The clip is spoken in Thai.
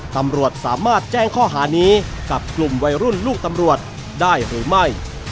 ตำรวจสามารถแจ้งข้อหานี้กับกลุ่มวัยรุ่นลูกตำรวจได้หรือไม่